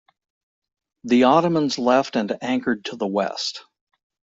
The Ottomans left and anchored to the west.